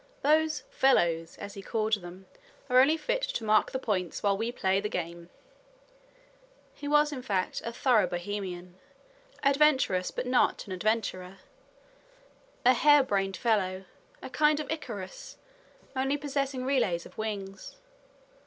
Those "fellows," as he called them, "are only fit to mark the points, while we play the game." He was, in fact, a thorough Bohemian, adventurous, but not an adventurer; a hare brained fellow, a kind of Icarus, only possessing relays of wings.